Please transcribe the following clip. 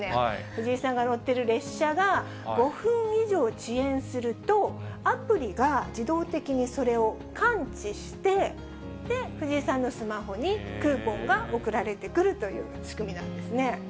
藤井さんが乗ってる列車が５分以上遅延すると、アプリが自動的にそれを感知して、藤井さんのスマホにクーポンが送られてくるという仕組みなんですね。